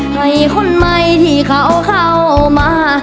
ให้คนใหม่ที่เขาเข้ามา